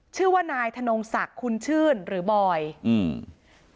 ชื่อว่านายธนงศักดิ์คุณชื่นหรือบอยอืม